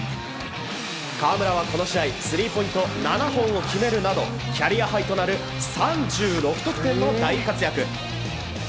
河村はこの試合スリーポイント７本を決めるなどキャリアハイとなる３６得点の大活躍。